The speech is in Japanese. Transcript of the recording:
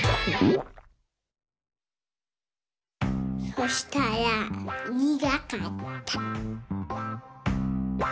そしたらにがかった。